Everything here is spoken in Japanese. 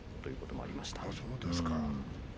ああ、そうですか。